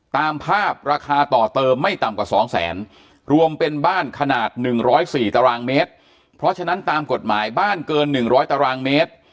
ตามภาพราคาต่อเติมไม่ต่ำกว่า๒แสนรวมเป็นบ้านขนาด๑๐๔ตารางเมตรเพราะฉะนั้นตามกฎหมายบ้านเกิน๑๐๐ตารางเมตร